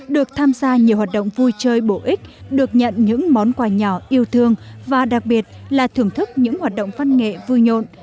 được tham gia nhiều hoạt động vui chơi bổ ích được nhận những món quà nhỏ yêu thương và đặc biệt là thưởng thức những hoạt động văn nghệ vui nhộn